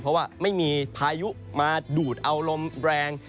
เพราะว่าไม่มีพายุมาดูดเอาลมแรง